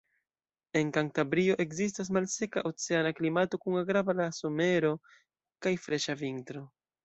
En Kantabrio ekzistas malseka oceana klimato kun agrabla somero kaj freŝa vintro.